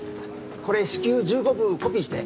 これ至急１５部コピーして。